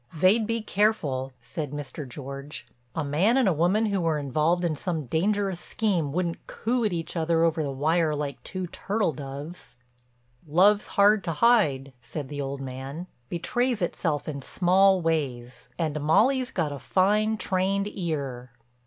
"They'd be careful," said Mr. George. "A man and a woman who were involved in some dangerous scheme wouldn't coo at each other over the wire like two turtle doves." "Love's hard to hide," said the old man, "betrays itself in small ways. And Molly's got a fine, trained ear."